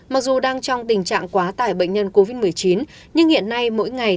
mặc dù đang trong tình trạng quá tải bệnh nhân covid một mươi chín nhưng hiện nay mỗi ngày